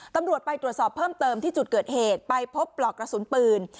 ตำรวจไปตรวจสอบเพิ่มเติมที่จุดเกิดเหตุไปพบปลอกกระสุนปืน